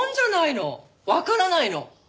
わからないの？